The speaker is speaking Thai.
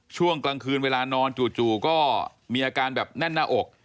ช่วงกลางคืนเวลานอนจู่ก็มีอาการแบบแน่นหน้าอก